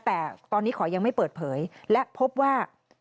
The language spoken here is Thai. แต่ตอนนี้ขอยังไม่เปิดเผยและพบว่า